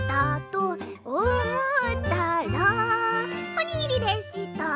「おにぎりでした」